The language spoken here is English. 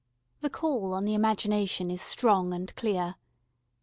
The call on the imagination is strong and clear.